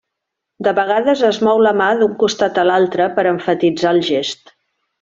De vegades es mou la mà d'un costat a l'altre per emfatitzar el gest.